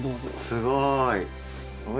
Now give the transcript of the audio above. すごい！